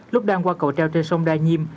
lúc đang qua cầu treo trên sông đa nhiêm